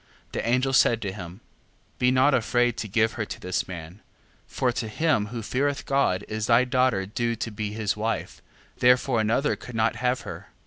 The angel said to him: Be not afraid to give her to this man, for to him who feareth God is thy daughter due to be his wife: therefore another could not have her.